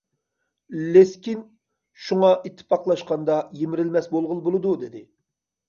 لېسكىن:« شۇڭا، ئىتتىپاقلاشقاندا، يىمىرىلمەس بولغىلى بولىدۇ»، دېدى.